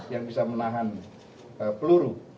yang bisa menahan peluru